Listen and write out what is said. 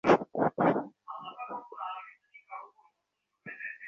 তিনি শিক্ষাবিষয়ক বিভিন্ন আন্তর্জাতিক সম্মেলনের অংশগ্রহণ করেন।